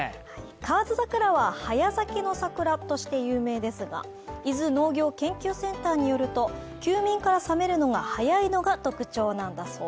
河津桜は早咲きの桜として有名ですが、伊豆農業研究センターによると、休眠から覚めるのが早いのが特徴なんだそう。